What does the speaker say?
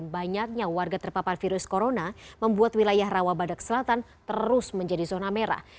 banyaknya warga terpapar virus corona membuat wilayah rawabadak selatan terus menjadi zona merah